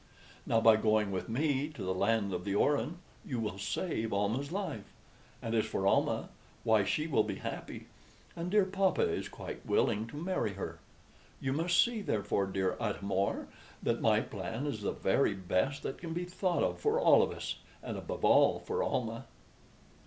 Now, by going with me to the land of the Orin, you will save Almah's life and as for Almah, why, she will be happy and dear papa is quite willing to marry her. You must see, therefore, dear Atam or, that my plan is the very best that can be thought of for all of us, and above all for Almah."